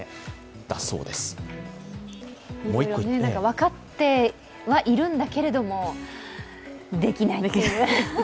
分かってはいるんだけれども、できないという。